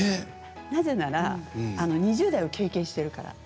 なぜなら２０代を経験してるから。